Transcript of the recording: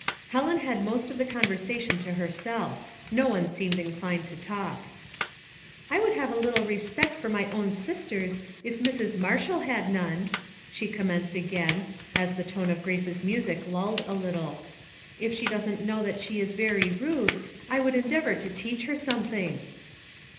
Helen had most of the conversation to herself. No one seemed inclined to talk. " I would have a little respect for my own sis ters, if Mrs. Marshall had none," she commenced again, as the tone of Grace's music lulled a little. " If she doesn't know that she is very rude, I would endeavor to teach her something."